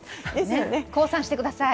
降参してください。